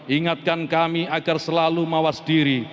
ingatkan kami agar selalu mawas diri